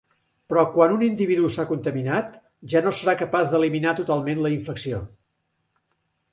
Però quan un individu s'ha contaminat ja no serà capaç d'eliminar totalment la infecció.